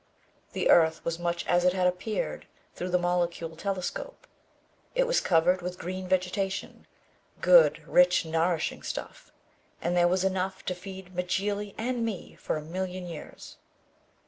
The earth was much as it had appeared through the molecule telescope. It was covered with green vegetation, good, rich, nourishing stuff. And there was enough to feed Mjly and me for a million years.